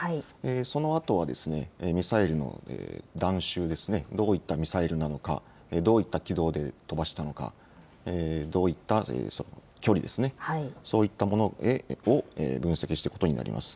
そのあとはミサイルの弾種、どういったミサイルなのか、どういった軌道で飛ばしたのか、どういった距離なのか、そういったものを分析していくことになります。